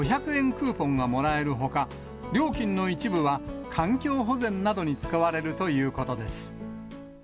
クーポンがもらえるほか、料金の一部は環境保全などに使われるということです。